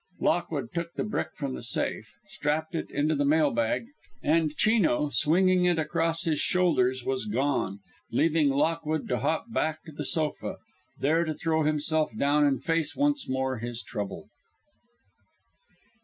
Lockwood took the brick from the safe, strapped it into the mail bag, and Chino, swinging it across his shoulders, was gone, leaving Lockwood to hop back to the sofa, there to throw himself down and face once more his trouble.